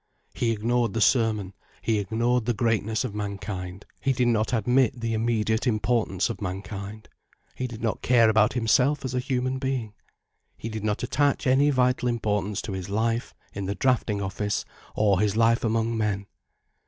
He ignored the sermon, he ignored the greatness of mankind, he did not admit the immediate importance of mankind. He did not care about himself as a human being. He did not attach any vital importance to his life in the drafting office, or his life among men.